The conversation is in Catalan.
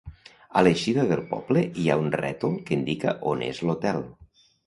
A l'eixida del poble hi ha un rètol que indica on és l'hotel.